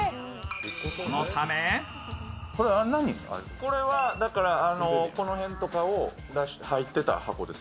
これは、この辺とかが入ってた箱です。